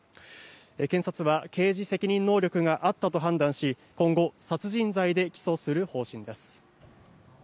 検察は刑事責任能力があったと判断し今後、殺人罪で起訴する方針です。